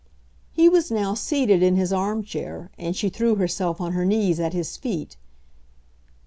He was now seated in his arm chair, and she threw herself on her knees at his feet.